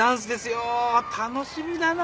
楽しみだな。